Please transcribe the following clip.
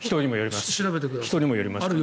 人にもよりますから。